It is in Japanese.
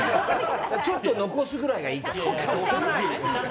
ちょっと残すぐらいがいいね。